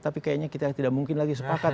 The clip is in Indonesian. tapi kayaknya kita tidak mungkin lagi sepakat